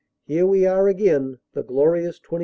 "Here we are again, the glorious 22nd.!"